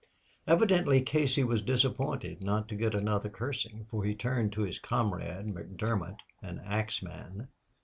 Evidently Casey was disappointed not to get another cursing, for he turned to his comrade, McDermott, an axman.